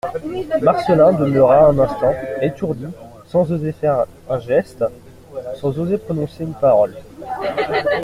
Marcelin demeura un instant étourdi, sans oser faire un geste, sans oser prononcer une parole.